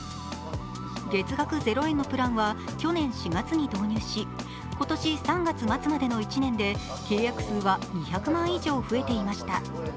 月額０円のプランは去年４月に導入し、今年３月末までの１年で契約数は２００万以上増えていました